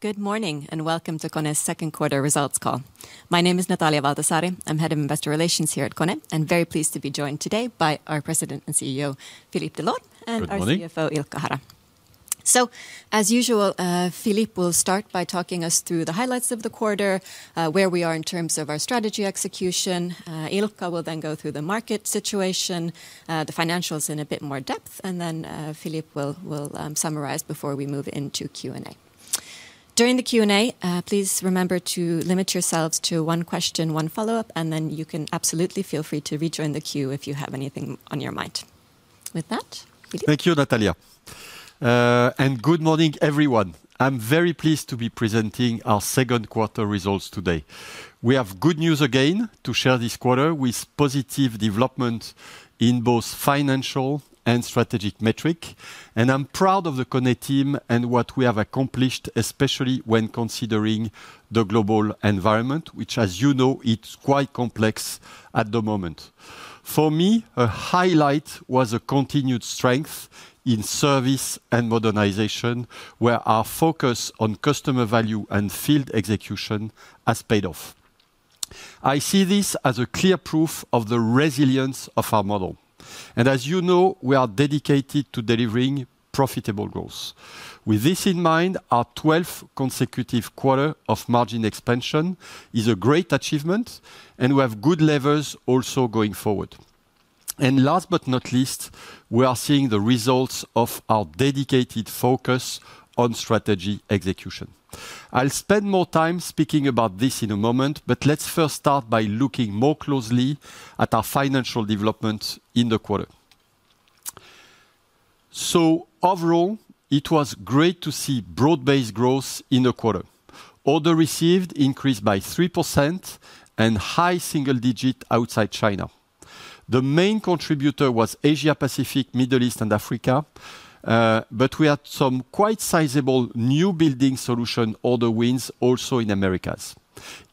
Good morning and welcome to KONE's Second Quarter Results Call. My name is Natalia Valtasaari. I'm head of Investor Relations here at KONE, and very pleased to be joined today by our President and CEO, Philippe Delorme, Good morning. and our CFO, Ilkka Hara. So, as usual, Philippe will start by talking us through the highlights of the quarter, where we are in terms of our strategy execution. Ilkka will then go through the market situation, the financials in a bit more depth, and then Philippe will summarize before we move into Q&A. During the Q&A, please remember to limit yourselves to one question, one follow-up, and then you can absolutely feel free to rejoin the queue if you have anything on your mind. With that, Philippe. Thank you, Natalia, and good morning, everyone. I'm very pleased to be presenting our second quarter results today. We have good news again to share this quarter with positive developments in both financial and strategic metrics, and I'm proud of the KONE team and what we have accomplished, especially when considering the global environment, which, as you know, is quite complex at the moment. For me, a highlight was the continued strength in service and modernization, where our focus on customer value and field execution has paid off. I see this as clear proof of the resilience of our model, and as you know, we are dedicated to delivering profitable growth. With this in mind, our 12th consecutive quarter of margin expansion is a great achievement, and we have good levers also going forward, and last but not least, we are seeing the results of our dedicated focus on strategy execution. I'll spend more time speaking about this in a moment, but let's first start by looking more closely at our financial developments in the quarter, so overall, it was great to see broad-based growth in the quarter. Orders received increased by 3% and high single-digit outside China. The main contributor was Asia-Pacific, Middle East, and Africa, but we had some quite sizable New Building Solutions order wins also in the Americas.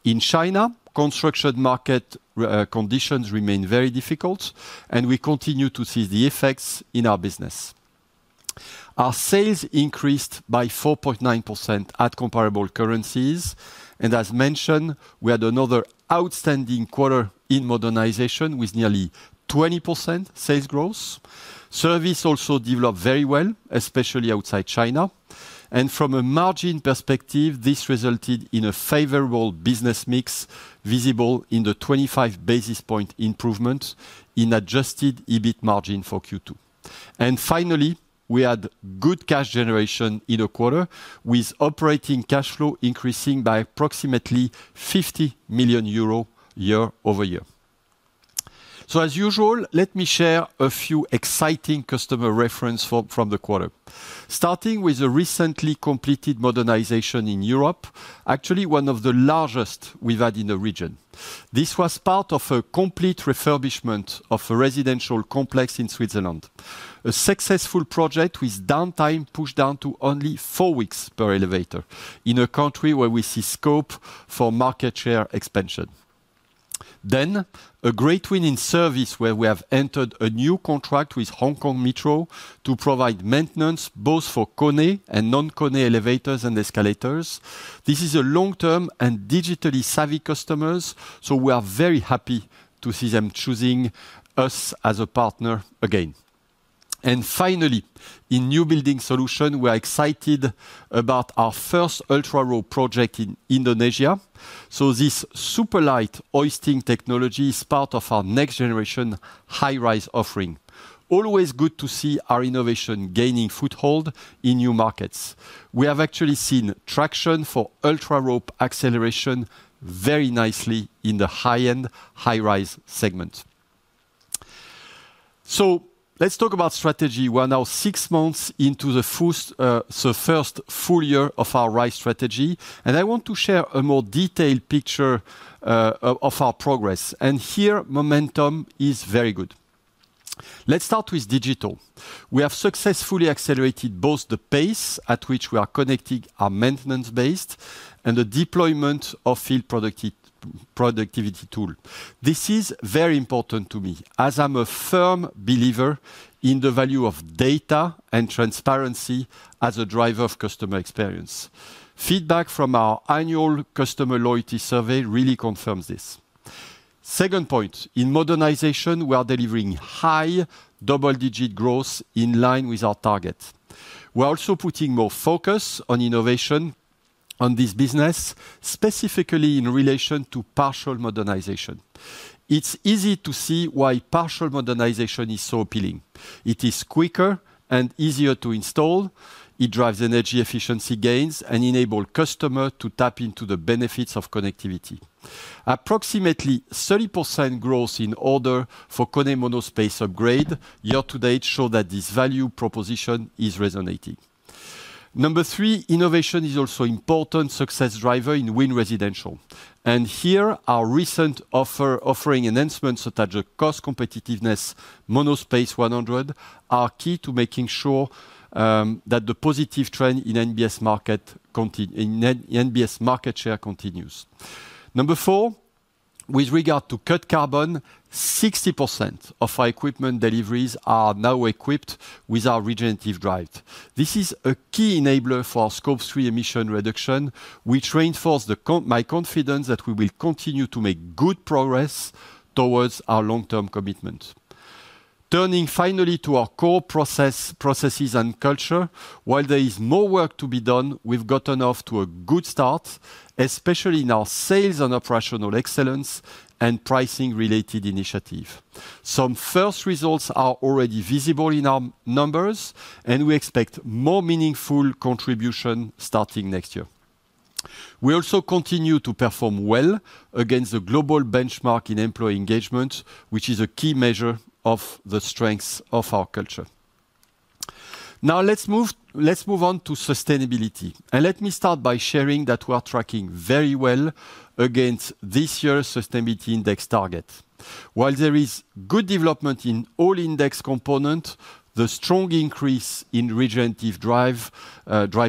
In China, construction market conditions remain very difficult, and we continue to see the effects in our business. Our sales increased by 4.9% at comparable currencies, and as mentioned, we had another outstanding quarter in modernization with nearly 20% sales growth. Service also developed very well, especially outside China, and from a margin perspective, this resulted in a favorable business mix visible in the 25 basis points improvement in adjusted EBIT margin for Q2, and finally, we had good cash generation in the quarter, with operating cash flow increasing by approximately 50 million euros year-over-year. So as usual, let me share a few exciting customer references from the quarter, starting with a recently completed modernization in Europe, actually one of the largest we've had in the region. This was part of a complete refurbishment of a residential complex in Switzerland, a successful project with downtime pushed down to only four weeks per elevator in a country where we see scope for market share expansion, then a great win in service, where we have entered a new contract with Hong Kong Metro to provide maintenance both for KONE and non-KONE elevators and escalators. This is a long-term and digitally savvy customer, so we are very happy to see them choosing us as a partner again, and finally, in New Building Solutions, we are excited about our first UltraRope project in Indonesia, so this super light hoisting technology is part of our next-generation high-rise offering. Always good to see our innovation gaining foothold in new markets. We have actually seen traction for UltraRope acceleration very nicely in the high-end high-rise segment, so let's talk about strategy. We are now six months into the first full year of our Rise strategy, and I want to share a more detailed picture of our progress, and here, momentum is very good. Let's start with digital. We have successfully accelerated both the pace at which we are connecting our maintenance base and the deployment of field productivity tools. This is very important to me as I'm a firm believer in the value of data and transparency as a driver of customer experience. Feedback from our annual customer loyalty survey really confirms this. Second point, in modernization, we are delivering high double-digit growth in line with our target. We're also putting more focus on innovation on this business. Specifically in relation to partial modernization. It's easy to see why partial modernization is so appealing. It is quicker and easier to install. It drives energy efficiency gains and enables customers to tap into the benefits of connectivity. Approximately 30% growth in orders for KONE MonoSpace upgrade year-to-date showed that this value proposition is resonating. Number three, innovation is also an important success driver in new residential. And here, our recent offering enhancements such as cost competitiveness, MonoSpace 100 are key to making sure that the positive trend in NBS market share continues. Number four, with regard to cut carbon, 60% of our equipment deliveries are now equipped with our regenerative drive. This is a key enabler for our Scope 3 emission reduction, which reinforces my confidence that we will continue to make good progress towards our long-term commitment. Turning finally to our core processes and culture, while there is more work to be done, we've gotten off to a good start, especially in our sales and operational excellence and pricing-related initiatives. Some first results are already visible in our numbers, and we expect more meaningful contributions starting next year. We also continue to perform well against the global benchmark in employee engagement, which is a key measure of the strengths of our culture. Now let's move on to sustainability. And let me start by sharing that we are tracking very well against this year's sustainability index target. While there is good development in all index components, the strong increase in regenerative drive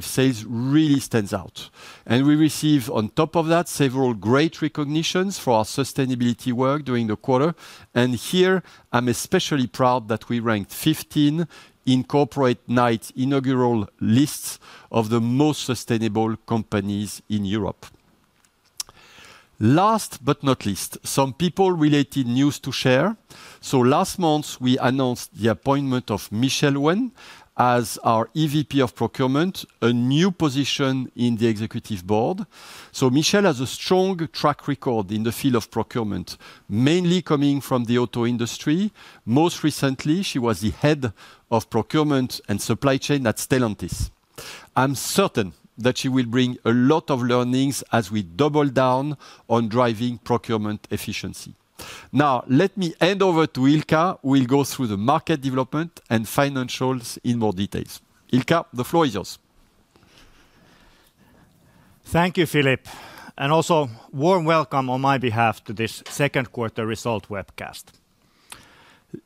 sales really stands out. And we received, on top of that, several great recognitions for our sustainability work during the quarter. And here, I'm especially proud that we ranked 15th in Corporate Knights' inaugural lists of the most sustainable companies in Europe. Last but not least, some people-related news to share. So last month, we announced the appointment of Michelle Wen as our EVP of Procurement, a new position in the executive board. So Michelle has a strong track record in the field of procurement, mainly coming from the auto industry. Most recently, she was the head of procurement and supply chain at Stellantis. I'm certain that she will bring a lot of learnings as we double down on driving procurement efficiency. Now, let me hand over to Ilkka. We'll go through the market development and financials in more detail. Ilkka, the floor is yours. Thank you, Philippe, and also warm welcome on my behalf to this second quarter result webcast.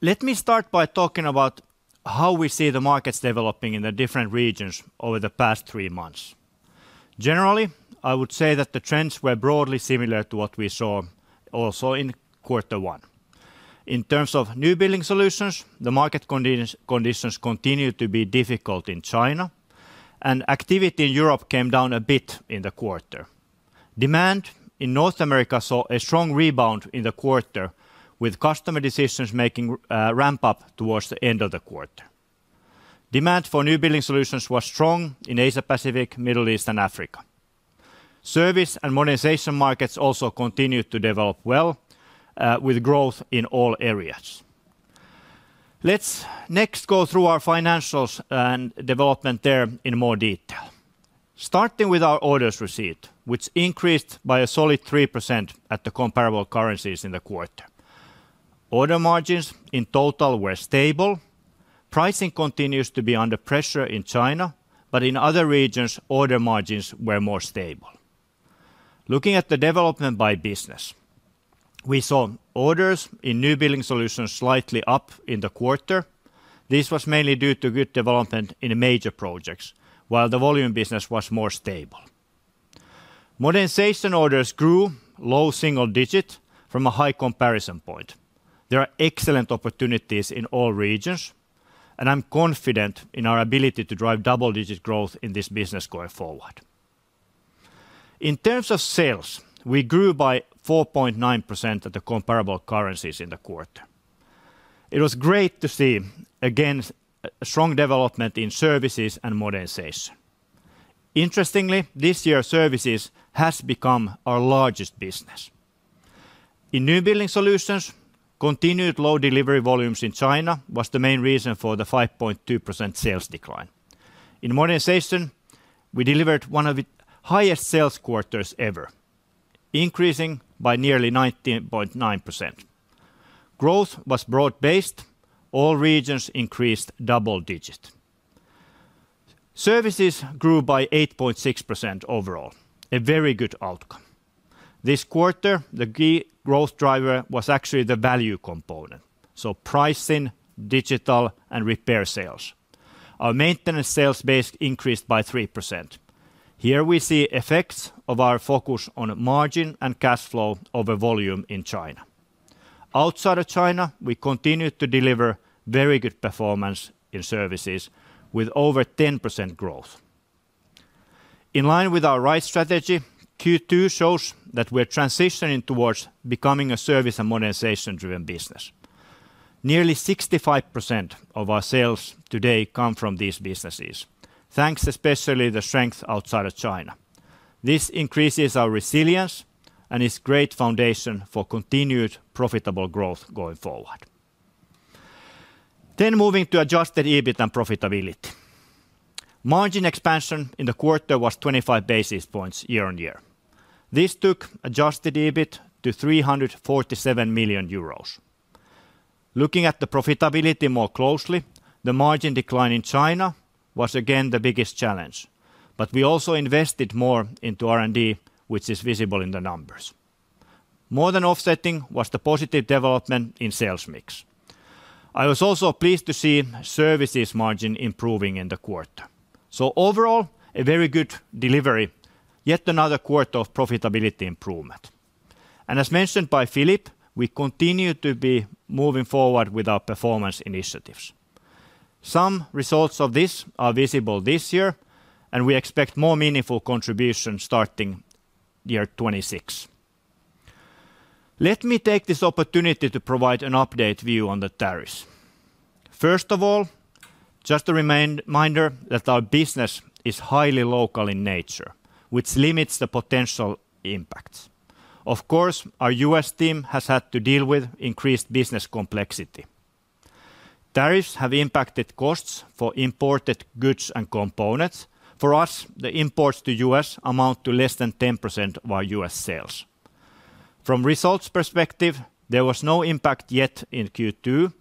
Let me start by talking about how we see the markets developing in the different regions over the past three months. Generally, I would say that the trends were broadly similar to what we saw also in quarter one. In terms of new building solutions, the market conditions continued to be difficult in China, and activity in Europe came down a bit in the quarter. Demand in North America saw a strong rebound in the quarter, with customer decisions making ramp up towards the end of the quarter. Demand for New Building Solutions was strong in Asia-Pacific, Middle East, and Africa. Service and modernization markets also continued to develop well, with growth in all areas. Let's next go through our financials and development there in more detail, starting with our orders receipt, which increased by a solid 3% at the comparable currencies in the quarter. Order margins in total were stable. Pricing continues to be under pressure in China, but in other regions, order margins were more stable. Looking at the development by business. We saw orders in new building solutions slightly up in the quarter. This was mainly due to good development in major projects, while the volume business was more stable. Modernization orders grew low single-digit from a high comparison point. There are excellent opportunities in all regions, and I'm confident in our ability to drive double-digit growth in this business going forward. In terms of sales, we grew by 4.9% at the comparable currencies in the quarter. It was great to see, again, strong development in services and modernization. Interestingly, this year, services has become our largest business. In New Building Solutions, continued low delivery volumes in China were the main reason for the 5.2% sales decline. In modernization, we delivered one of the highest sales quarters ever, increasing by nearly 19.9%. Growth was broad-based. All regions increased double-digit. Services grew by 8.6% overall, a very good outcome. This quarter, the key growth driver was actually the value component, so pricing, digital, and repair sales. Our maintenance sales base increased by 3%. Here we see effects of our focus on margin and cash flow over volume in China. Outside of China, we continue to deliver very good performance in services with over 10% growth. In line with our Rise strategy, Q2 shows that we are transitioning towards becoming a service and modernization-driven business. Nearly 65% of our sales today come from these businesses, thanks especially to the strength outside of China. This increases our resilience and is a great foundation for continued profitable growth going forward. Then moving to adjusted EBIT and profitability. Margin expansion in the quarter was 25 basis points year-on-year. This took adjusted EBIT to 347 million euros. Looking at the profitability more closely, the margin decline in China was again the biggest challenge, but we also invested more into R&D, which is visible in the numbers. More than offsetting was the positive development in sales mix. I was also pleased to see services margin improving in the quarter. So overall, a very good delivery, yet another quarter of profitability improvement. And as mentioned by Philippe, we continue to be moving forward with our performance initiatives. Some results of this are visible this year, and we expect more meaningful contributions starting 2026. Let me take this opportunity to provide an update view on the tariffs. First of all. Just a reminder that our business is highly local in nature, which limits the potential impacts. Of course, our U.S. team has had to deal with increased business complexity. Tariffs have impacted costs for imported goods and components. For us, the imports to the U.S. amount to less than 10% of our U.S. sales. From results perspective, there was no impact yet in Q2,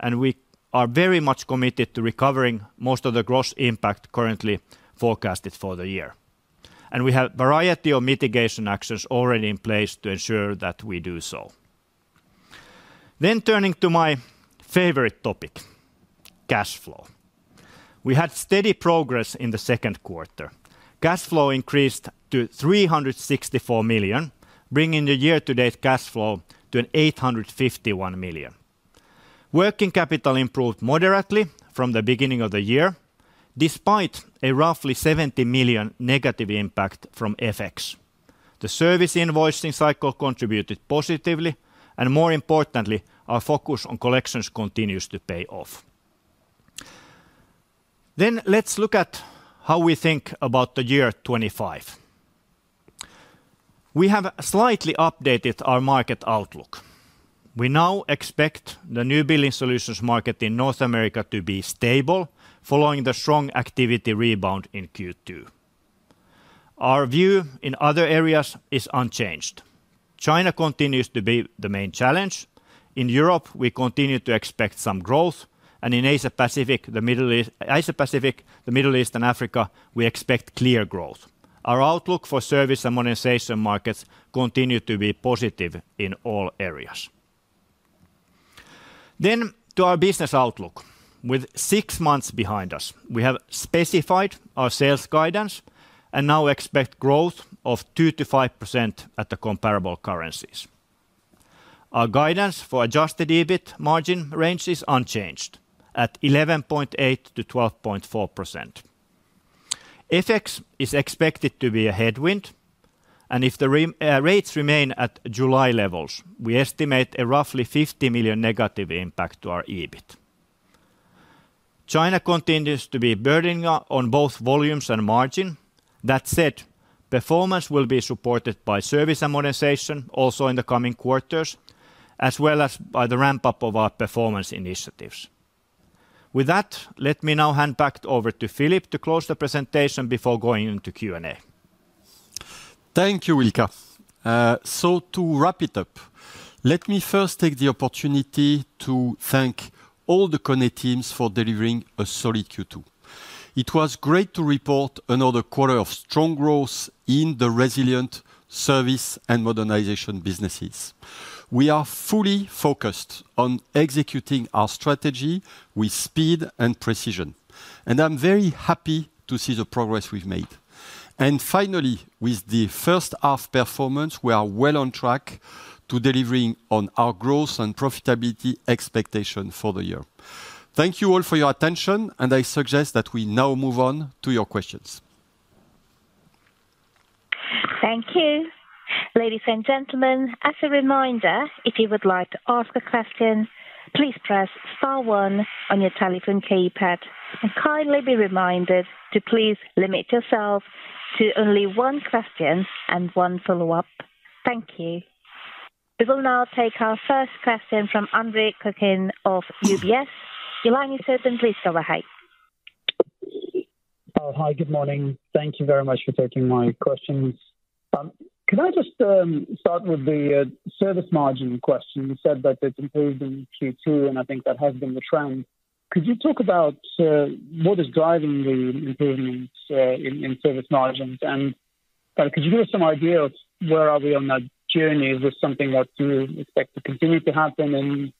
and we are very much committed to recovering most of the gross impact currently forecasted for the year. And we have a variety of mitigation actions already in place to ensure that we do so. Then turning to my favorite topic. Cash flow. We had steady progress in the second quarter. Cash flow increased to 364 million, bringing the year-to-date cash flow to 851 million. Working capital improved moderately from the beginning of the year, despite a roughly 70 million negative impact from FX. The service invoicing cycle contributed positively, and more importantly, our focus on collections continues to pay off. Then let's look at how we think about the year 2025. We have slightly updated our market outlook. We now expect the new building solutions market in North America to be stable following the strong activity rebound in Q2. Our view in other areas is unchanged. China continues to be the main challenge. In Europe, we continue to expect some growth, and in Asia-Pacific, Middle East, and Africa, we expect clear growth. Our outlook for service and modernization markets continues to be positive in all areas. Then to our business outlook. With six months behind us, we have specified our sales guidance and now expect growth of 2%-5% at the comparable currencies. Our guidance for adjusted EBIT margin range is unchanged at 11.8%-12.4%. FX is expected to be a headwind, and if the rates remain at July levels, we estimate a roughly 50 million negative impact to our EBIT. China continues to be burdened on both volumes and margin. That said, performance will be supported by service and modernization also in the coming quarters, as well as by the ramp-up of our performance initiatives. With that, let me now hand back over to Philippe to close the presentation before going into Q&A. Thank you, Ilkka. So to wrap it up, let me first take the opportunity to thank all the KONE teams for delivering a solid Q2. It was great to report another quarter of strong growth in the resilient service and modernization businesses. We are fully focused on executing our strategy with speed and precision, and I'm very happy to see the progress we've made and finally, with the first half performance, we are well on track to deliver on our growth and profitability expectations for the year. Thank you all for your attention, and I suggest that we now move on to your questions. Thank you. Ladies and gentlemen, as a reminder, if you would like to ask a question, please press star one on your telephone keypad and kindly be reminded to please limit yourself to only one question and one follow-up. Thank you. We will now take our first question from Andre Kukhnin of UBS. You're on the line, please go ahead. Hi, good morning. Thank you very much for taking my questions. Could I just start with the service margin question? You said that it's improved in Q2, and I think that has been the trend. Could you talk about what is driving the improvement in service margins? And could you give us some idea of where are we on that journey? Is this something that you expect to continue to happen in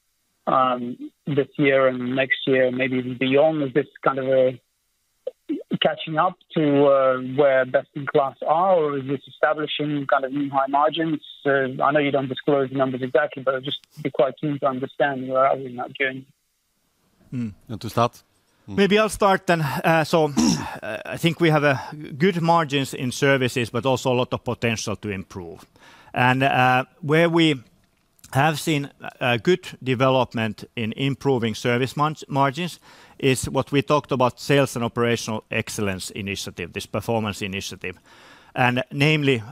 this year and next year, maybe even beyond? Is this kind of a catching up to where best in class are, or is this establishing kind of new high margins? I know you don't disclose the numbers exactly, but I'd just be quite keen to understand where are we in that journey. You want to start? Maybe I'll start then. So I think we have good margins in services, but also a lot of potential to improve. And where we have seen good development in improving service margins is what we talked about, sales and operational excellence initiative, this performance initiative, and namely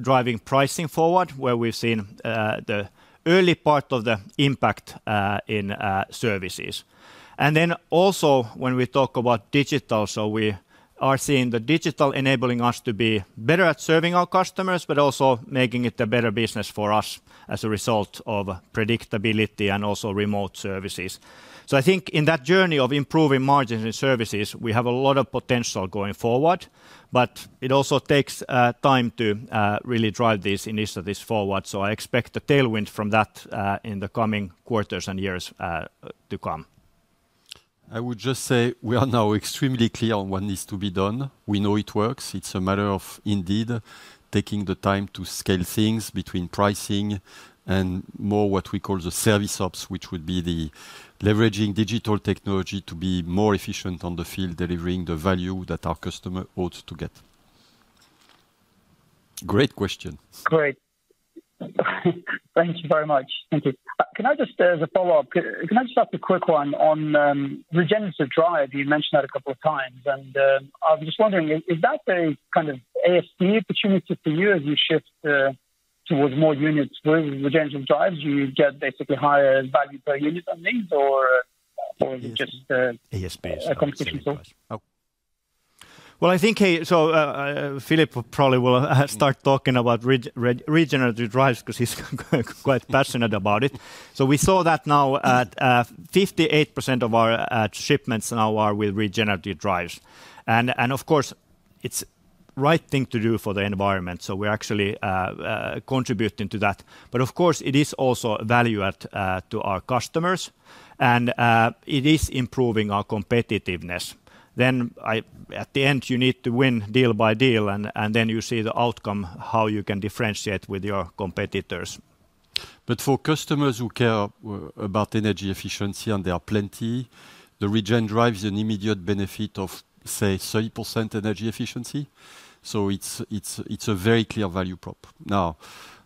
driving pricing forward, where we've seen the early part of the impact in services. And then also when we talk about digital, so we are seeing the digital enabling us to be better at serving our customers, but also making it a better business for us as a result of predictability and also remote services. So I think in that journey of improving margins in services, we have a lot of potential going forward, but it also takes time to really drive these initiatives forward. So I expect a tailwind from that in the coming quarters and years to come. I would just say we are now extremely clear on what needs to be done. We know it works. It's a matter of indeed taking the time to scale things between pricing and more what we call the service ops, which would be the leveraging digital technology to be more efficient on the field, delivering the value that our customer hopes to get. Great question. Great. Thank you very much. Thank you. Can I just, as a follow-up, can I just ask a quick one on regenerative drive? You mentioned that a couple of times, and I was just wondering, is that a kind of ASP opportunity for you as you shift towards more units with regenerative drives? Do you get basically higher value per unit on these, or is it just a competition tool? Well, I think, so Philippe probably will start talking about regenerative drives because he's quite passionate about it. So we saw that now at 58% of our shipments now are with regenerative drives. And of course, it's the right thing to do for the environment. So we're actually contributing to that. But of course, it is also valued to our customers, and it is improving our competitiveness. Then at the end, you need to win deal by deal, and then you see the outcome, how you can differentiate with your competitors. But for customers who care about energy efficiency and there are plenty, the regenerative drive is an immediate benefit of, say, 30% energy efficiency. So it's a very clear value prop. Now,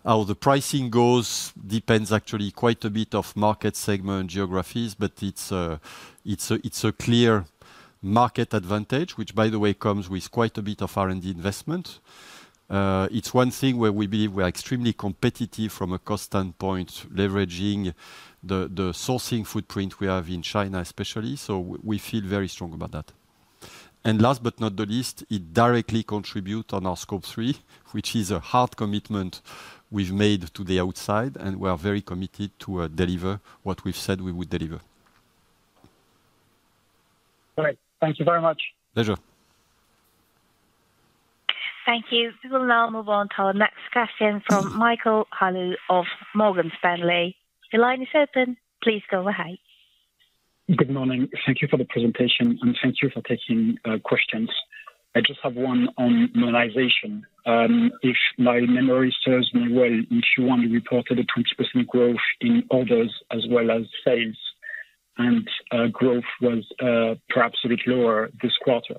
how the pricing goes depends actually quite a bit on market segment geographies, but it's a clear market advantage, which, by the way, comes with quite a bit of R&D investment. It's one thing where we believe we are extremely competitive from a cost standpoint, leveraging the sourcing footprint we have in China, especially. So we feel very strong about that. And last but not the least, it directly contributes on our Scope 3, which is a hard commitment we've made to the outside, and we are very committed to deliver what we've said we would deliver. Great. Thank you very much. Pleasure. Thank you. We will now move on to our next question from Michael Harleaux of Morgan Stanley. The line is open. Please go ahead. Good morning. Thank you for the presentation, and thank you for taking questions. I just have one on modernization. If my memory serves me well, if you want to report the 20% growth in orders as well as sales, and growth was perhaps a bit lower this quarter,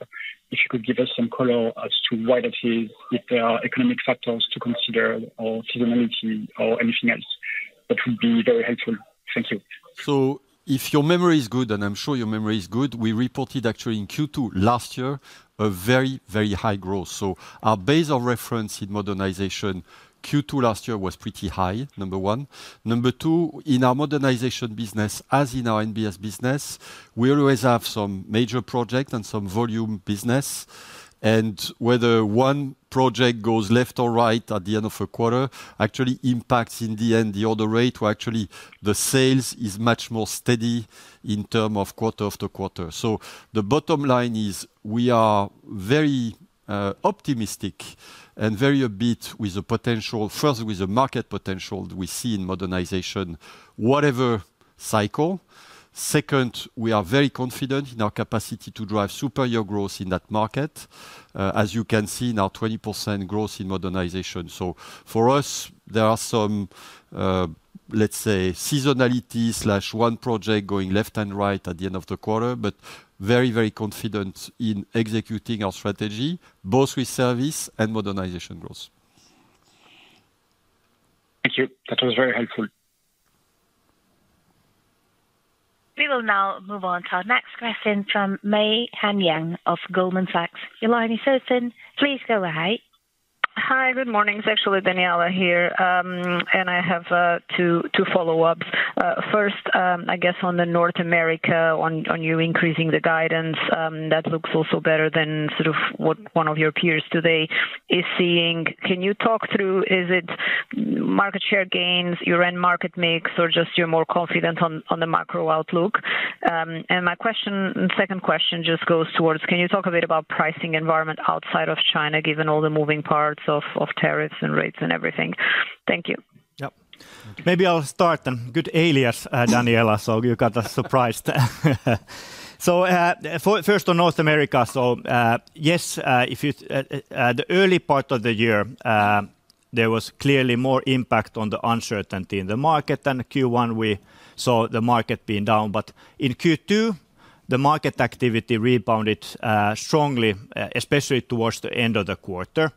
if you could give us some color as to why that is, if there are economic factors to consider, or seasonality, or anything else, that would be very helpful. Thank you. So if your memory is good, and I'm sure your memory is good, we reported actually in Q2 last year a very, very high growth. So our base of reference in modernization Q2 last year was pretty high, number one. Number two, in our modernization business, as in our NBS business, we always have some major projects and some volume business. And whether one project goes left or right at the end of a quarter actually impacts in the end the order rate or actually the sales is much more steady in terms of quarter after quarter. So the bottom line is we are very optimistic and very upbeat with the potential, first with the market potential we see in modernization, whatever cycle. Second, we are very confident in our capacity to drive superior growth in that market, as you can see in our 20% growth in modernization. So for us, there are some, let's say, seasonality/one project going left or right at the end of the quarter, but very, very confident in executing our strategy, both with service and modernization growth. Thank you. That was very helpful. We will now move on to our next question from Meihan Yang of Goldman Sachs. Your line is open. Please go ahead. Hi, good morning. It's actually Daniela here, and I have two follow-ups. First, I guess on the North America, on you increasing the guidance, that looks also better than sort of what one of your peers today is seeing. Can you talk through, is it market share gains, your end market mix, or just you're more confident on the macro outlook? And my second question just goes towards, can you talk a bit about pricing environment outside of China, given all the moving parts of tariffs and rates and everything? Thank you. Yep. Maybe I'll start then. Good analysis, Daniela, so you got surprised. So first on North America. So yes, the early part of the year, there was clearly more impact on the uncertainty in the market. And Q1, we saw the market being down. But in Q2, the market activity rebounded strongly, especially towards the end of the quarter.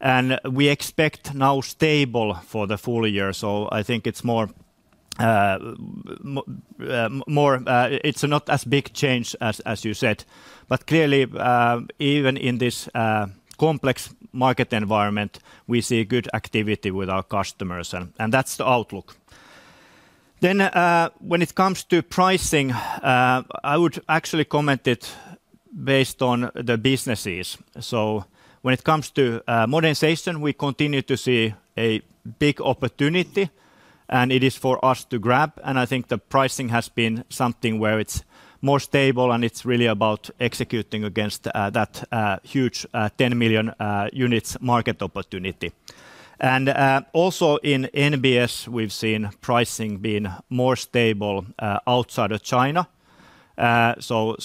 And we expect now stable for the full year. So I think it's more. Not as big change as you said. But clearly, even in this complex market environment, we see good activity with our customers, and that's the outlook. Then when it comes to pricing, I would actually comment it based on the businesses. So when it comes to modernization, we continue to see a big opportunity, and it is for us to grab. And I think the pricing has been something where it's more stable, and it's really about executing against that huge 10 million units market opportunity. And also in NBS, we've seen pricing being more stable outside of China. So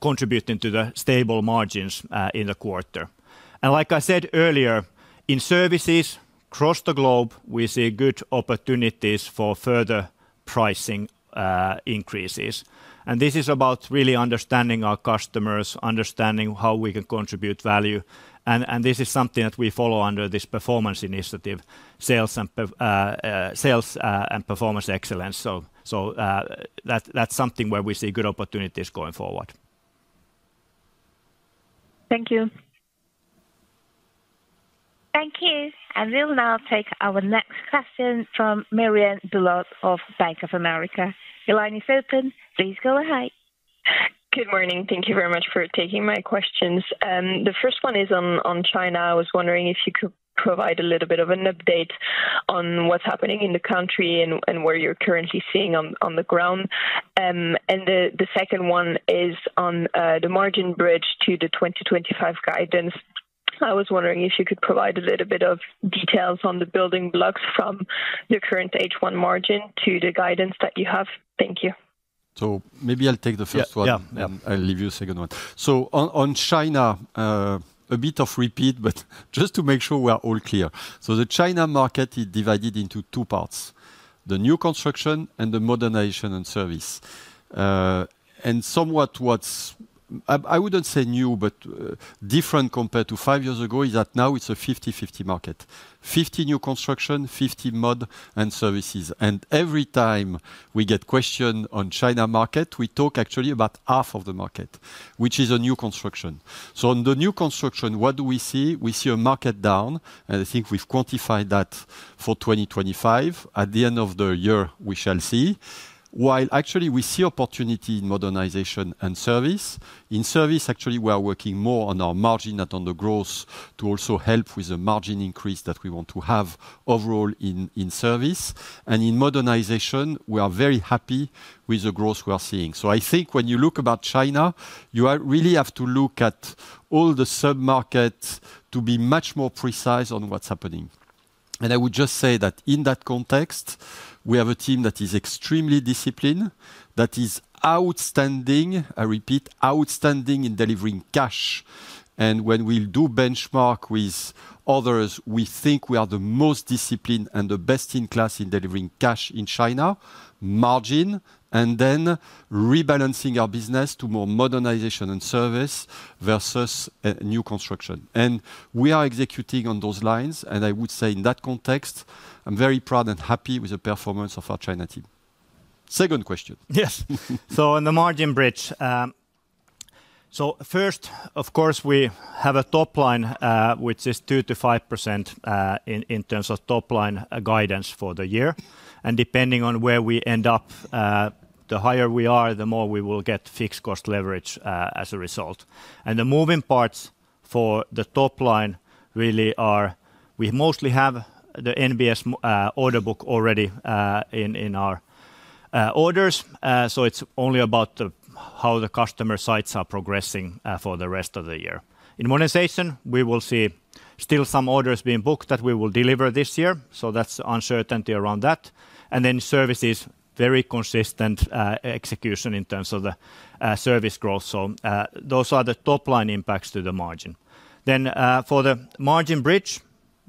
contributing to the stable margins in the quarter. And like I said earlier, in services, across the globe, we see good opportunities for further pricing increases. And this is about really understanding our customers, understanding how we can contribute value. And this is something that we follow under this performance initiative, sales and performance excellence. So that's something where we see good opportunities going forward. Thank you. Thank you. And we'll now take our next question from Marianne Bulot of Bank of America. Your line is open. Please go ahead. Good morning. Thank you very much for taking my questions. The first one is on China. I was wondering if you could provide a little bit of an update on what's happening in the country and where you're currently seeing on the ground. And the second one is on the margin bridge to the 2025 guidance. I was wondering if you could provide a little bit of details on the building blocks from your current H1 margin to the guidance that you have? Thank you. So maybe I'll take the first one, and I'll leave you a second one. So on China, a bit of repeat, but just to make sure we are all clear. So the China market is divided into two parts: the new construction and the modernization and service. And somewhat what's, I wouldn't say new, but different compared to five years ago, is that now it's a 50-50 market. 50 new construction, 50 mod and services. And every time we get questioned on China market, we talk actually about half of the market, which is a new construction. So on the new construction, what do we see? We see a market down, and I think we've quantified that for 2025. At the end of the year, we shall see. While actually we see opportunity in modernization and service. In service, actually we are working more on our margin and on the growth to also help with the margin increase that we want to have overall in service. And in modernization, we are very happy with the growth we are seeing. So I think when you look about China, you really have to look at all the sub-markets to be much more precise on what's happening. And I would just say that in that context, we have a team that is extremely disciplined, that is outstanding, I repeat, outstanding in delivering cash. And when we do benchmark with others, we think we are the most disciplined and the best in class in delivering cash in China, margin, and then rebalancing our business to more modernization and service versus new construction. And we are executing on those lines. And I would say in that context, I'm very proud and happy with the performance of our China team. Second question. Yes. So, on the margin bridge, so first, of course, we have a top line, which is 2%-5%. In terms of top line guidance for the year, and depending on where we end up, the higher we are, the more we will get fixed cost leverage as a result. And the moving parts for the top line really are, we mostly have the NBS order book already in our orders. So it's only about how the customer sites are progressing for the rest of the year. In modernization, we will see still some orders being booked that we will deliver this year. So that's uncertainty around that. And then services, very consistent execution in terms of the service growth. So those are the top line impacts to the margin. Then for the margin bridge,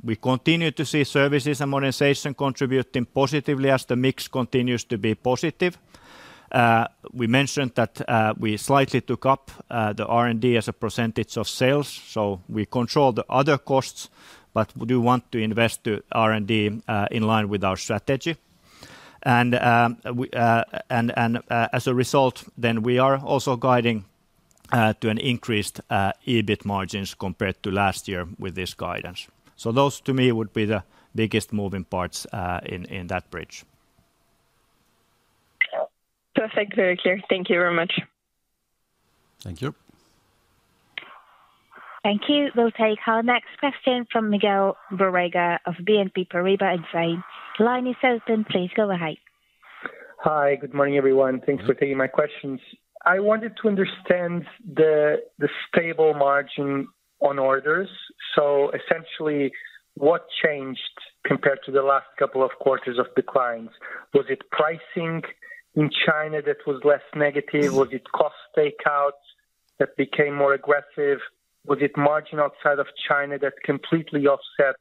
we continue to see services and modernization contributing positively as the mix continues to be positive. We mentioned that we slightly took up the R&D as a percentage of sales. So we control the other costs, but we do want to invest to R&D in line with our strategy. And as a result, then we are also guiding to an increased EBIT margins compared to last year with this guidance. So those to me would be the biggest moving parts in that bridge. Perfect. Very clear. Thank you very much. Thank you. Thank you. We'll take our next question from Miguel Borrega of BNP Paribas in Spain. Line is open. Please go ahead. Hi. Good morning, everyone. Thanks for taking my questions. I wanted to understand the stable margin on orders. So essentially, what changed compared to the last couple of quarters of declines? Was it pricing in China that was less negative? Was it cost takeout that became more aggressive? Was it margin outside of China that completely offset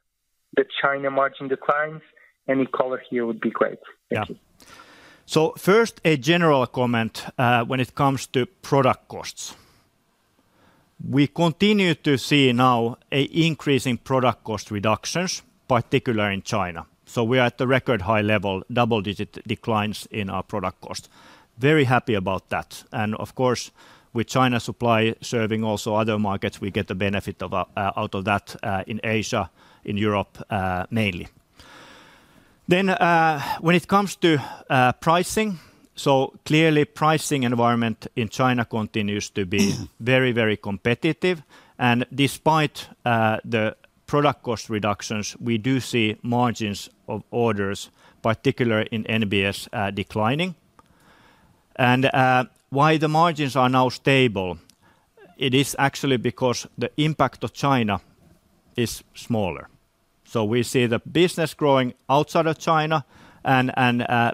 the China margin declines? Any color here would be great. Thank you. Yeah. So first, a general comment when it comes to product costs. We continue to see now an increase in product cost reductions, particularly in China. So we are at the record high-level, double-digit declines in our product cost. Very happy about that. And of course, with China supply serving also other markets, we get the benefit out of that in Asia, in Europe mainly. Then when it comes to pricing, so clearly pricing environment in China continues to be very, very competitive. And despite the product cost reductions, we do see margins of orders, particularly in NBS, declining. And why the margins are now stable? It is actually because the impact of China is smaller. So we see the business growing outside of China and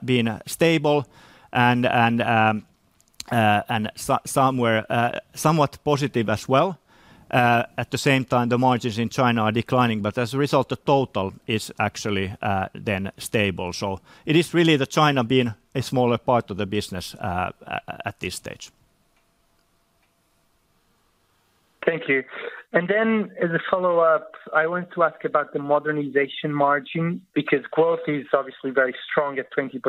being stable and somewhat positive as well. At the same time, the margins in China are declining, but as a result, the total is actually then stable. So it is really China being a smaller part of the business. At this stage. Thank you, and then as a follow-up, I want to ask about the modernization margin because growth is obviously very strong at 20%.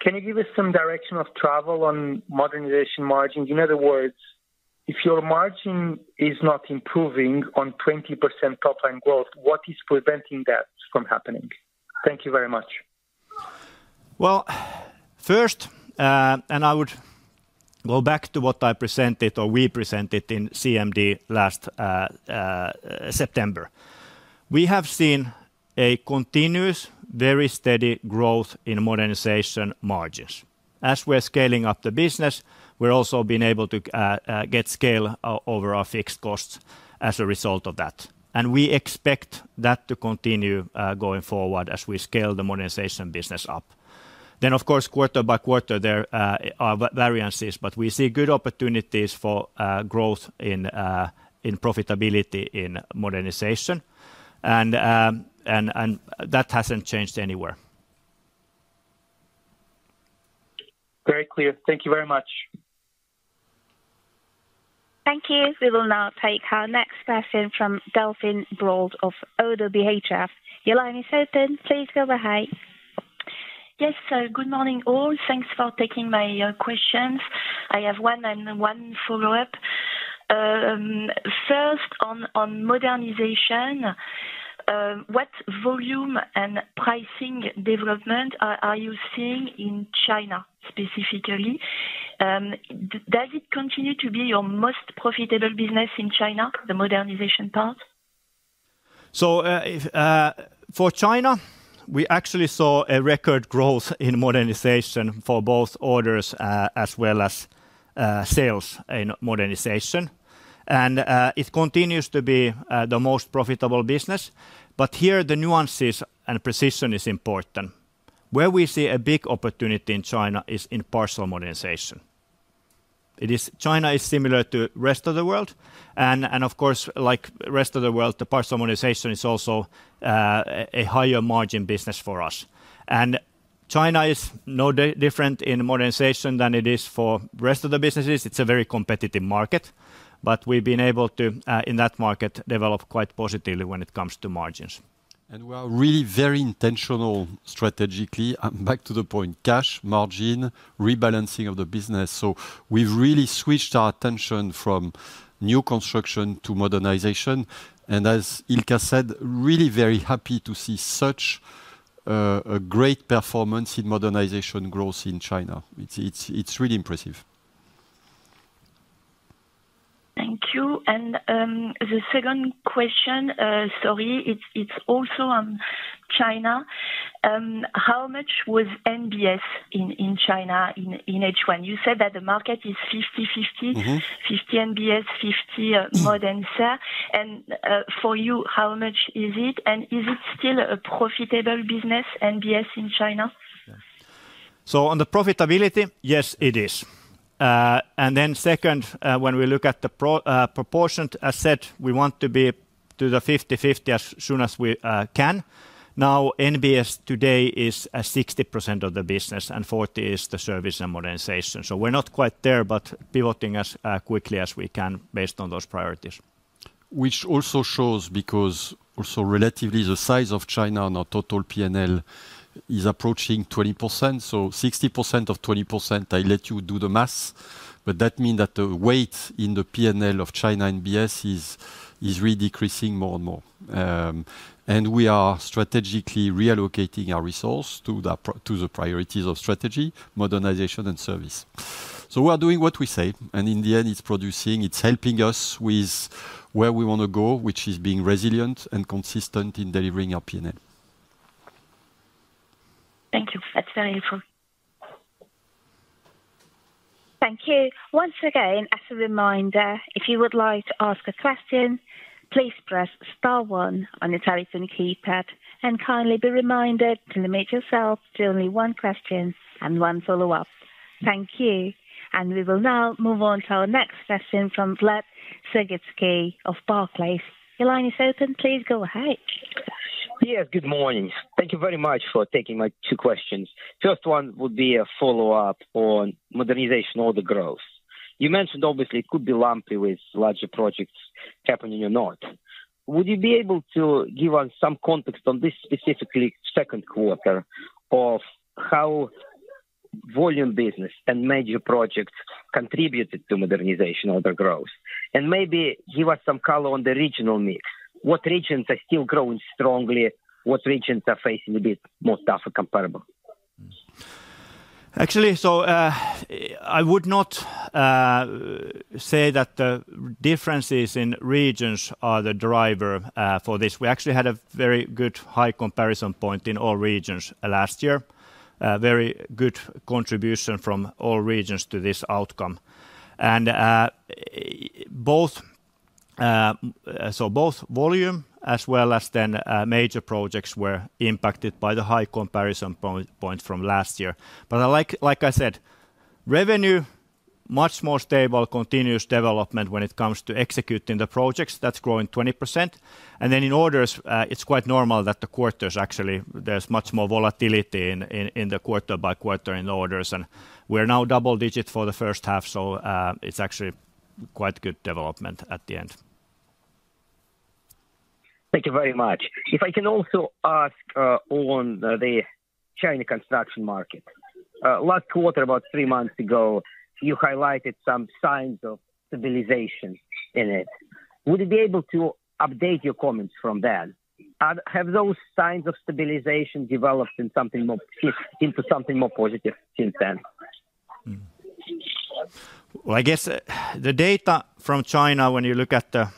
Can you give us some direction of travel on modernization margin? In other words, if your margin is not improving on 20% top line growth, what is preventing that from happening? Thank you very much. Well, first, I would go back to what I presented or we presented in CMD last September. We have seen a continuous, very steady growth in modernization margins. As we're scaling up the business, we're also being able to get scale over our fixed costs as a result of that. And we expect that to continue going forward as we scale the modernization business up. Then, of course, quarter-by-quarter, there are variances, but we see good opportunities for growth in profitability in modernization, and that hasn't changed anywhere. Very clear. Thank you very much. Thank you. We will now take our next question from Delphine Brault of ODDO BHF. Your line is open. Please go ahead. Yes. Good morning all. Thanks for taking my questions. I have one and one follow-up. First, on modernization. What volume and pricing development are you seeing in China specifically? Does it continue to be your most profitable business in China, the modernization part? For China, we actually saw a record growth in modernization for both orders as well as sales in modernization. It continues to be the most profitable business. Here, the nuances and precision is important. Where we see a big opportunity in China is in partial modernization. China is similar to the rest of the world. Of course, like the rest of the world, the partial modernization is also a higher margin business for us. China is no different in modernization than it is for the rest of the businesses. It's a very competitive market, but we've been able to, in that market, develop quite positively when it comes to margins. We are really very intentional strategically. Back to the point, cash, margin, rebalancing of the business. We've really switched our attention from new construction to modernization. As Ilkka said, really very happy to see such a great performance in modernization growth in China. It's really impressive. Thank you. And the second question, sorry, it's also on China. How much was NBS in China in H1? You said that the market is 50-50, 50 NBS, 50 modernization. And for you, how much is it? And is it still a profitable business, NBS in China? So on the profitability, yes, it is. And then second, when we look at the proportion, as I said, we want to be to the 50-50 as soon as we can. Now, NBS today is 60% of the business and 40% is the service and modernization. So we're not quite there, but pivoting as quickly as we can based on those priorities. Which also shows because also relatively the size of China on our total P&L is approaching 20%. So 60% of 20%, I let you do the math. But that means that the weight in the P&L of China and NBS is really decreasing more and more. And we are strategically reallocating our resources to the priorities of strategy, modernization, and service. So we are doing what we say. And in the end, it's producing, it's helping us with where we want to go, which is being resilient and consistent in delivering our P&L. Thank you. That's very helpful. Thank you. Once again, as a reminder, if you would like to ask a question, please press star one on the telephone keypad and kindly be reminded to limit yourself to only one question and one follow-up. Thank you. And we will now move on to our next question from Vladimir Sergievskiy of Barclays. Your line is open. Please go ahead. Yes. Good morning. Thank you very much for taking my two questions. First one would be a follow-up on modernization or the growth. You mentioned obviously it could be lumpy with larger projects happening in the north. Would you be able to give us some context on this specifically second quarter of how volume business and major projects contributed to modernization or the growth? And maybe give us some color on the regional mix. What regions are still growing strongly? What regions are facing a bit more tougher comparable? Actually, so I would not say that the differences in regions are the driver for this. We actually had a very good high comparison point in all regions last year. Very good contribution from all regions to this outcome. And so both volume as well as then major projects were impacted by the high comparison point from last year. But like I said, revenue, much more stable, continuous development when it comes to executing the projects, that's growing 20%. And then in orders, it's quite normal that the quarters actually, there's much more volatility in the quarter-by-quarter in orders. And we're now double-digit for the first half. So it's actually quite good development at the end. Thank you very much. If I can also ask on the China construction market? Last quarter, about three months ago, you highlighted some signs of stabilization in it. Would you be able to update your comments from then? Have those signs of stabilization developed into something more positive since then? I guess the data from China, when you look at the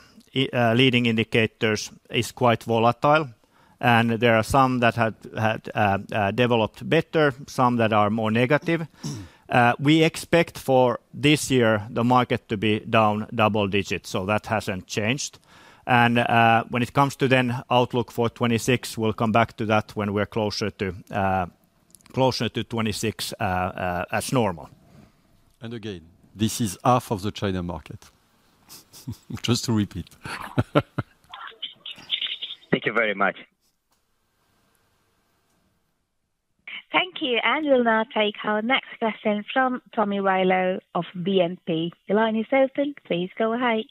leading indicators, is quite volatile. And there are some that have developed better, some that are more negative. We expect for this year the market to be down double-digits. So that hasn't changed. And when it comes to the outlook for 2026, we'll come back to that when we're closer to 2026. As normal. Again, this is half of the China market. Just to repeat. Thank you very much. Thank you, and we'll now take our next question from Tomi Railo of DNB. The line is open. Please go ahead.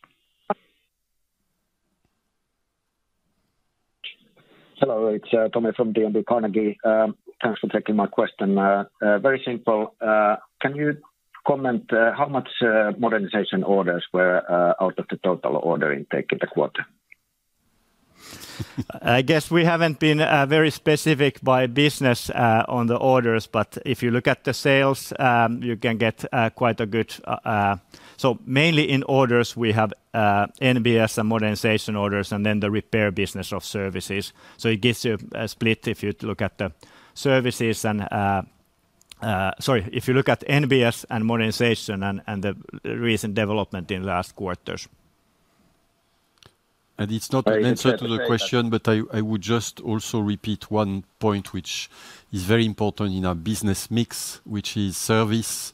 Hello. It's Tomi from DNB Carnegie. Thanks for taking my question. Very simple. Can you comment how much modernization orders were out of the total order intake in the quarter? I guess we haven't been very specific by business on the orders, but if you look at the sales, you can get quite a good. So mainly in orders, we have NBS and modernization orders and then the repair business of services. So it gives you a split if you look at the services and. Sorry, if you look at NBS and modernization and the recent development in last quarters. It's not the answer to the question, but I would just also repeat one point which is very important in our business mix, which is service.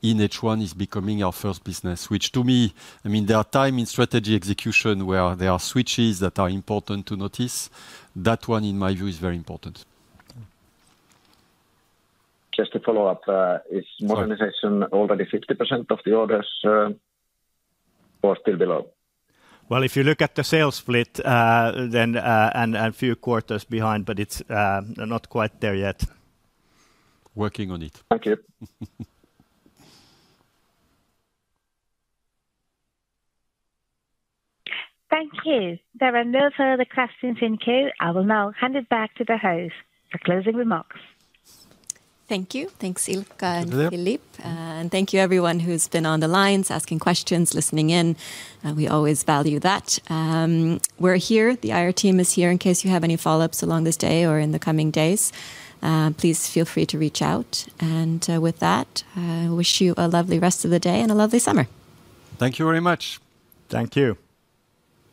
In H1 is becoming our first business, which to me, I mean, there are times in strategy execution where there are switches that are important to notice. That one, in my view, is very important. Just a follow-up. Is modernization already 50% of the orders? Or still below? If you look at the sales split then and a few quarters behind, but it's not quite there yet. Working on it. Thank you. Thank you. There are no further questions in queue. I will now hand it back to the host for closing remarks. Thank you. Thanks, Ilkka and Philippe. And thank you, everyone who's been on the lines asking questions, listening in. We always value that. We're here. The IR team is here in case you have any follow-ups along this day or in the coming days. Please feel free to reach out. And with that, I wish you a lovely rest of the day and a lovely summer. Thank you very much. Thank you.